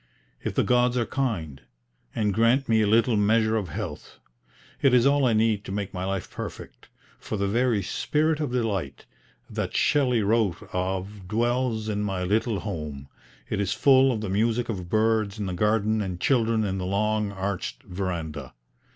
If the gods are kind and grant me a little measure of health. It is all I need to make my life perfect, for the very 'Spirit of Delight' that Shelley wrote of dwells in my little home; it is full of the music of birds in the garden and children in the long arched verandah."